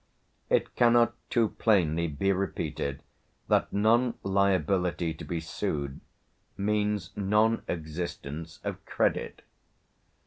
It cannot too plainly be repeated that non liability to be sued means non existence of credit.